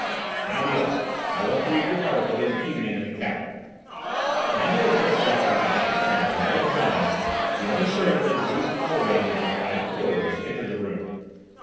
Now, be off. I want to read your article this evening in the Capital." Fandor had just left his detective friend when old Jean, the only servant that Juve tolerated in his private quarters, entered the room.